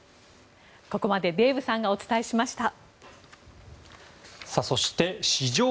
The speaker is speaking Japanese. ここまでデーブさんがお伝えしました。